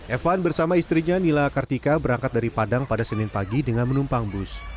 evan bersama istrinya nila kartika berangkat dari padang pada senin pagi dengan menumpang bus